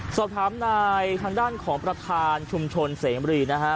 สอบถามนายทางด้านของประธานชุมชนเสมรีนะฮะ